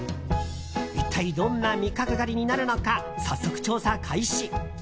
一体どんな味覚狩りになるのか早速調査開始。